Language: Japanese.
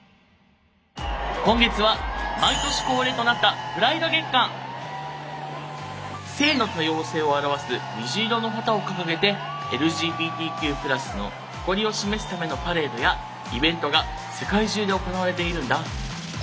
今月は毎年恒例となった性の多様性を表す虹色の旗を掲げてＬＧＢＴＱ＋の誇りを示すためのパレードやイベントが世界中で行われているんだ。